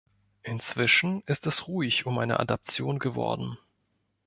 Inzwischen ist es ruhig um eine Adaption geworden.